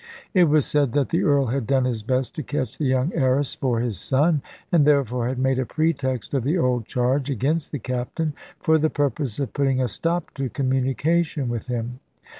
It was said that the Earl had done his best to catch the young heiress for his son, and therefore had made a pretext of the old charge against the Captain, for the purpose of putting a stop to communication with him.